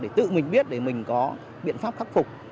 để tự mình biết để mình có biện pháp khắc phục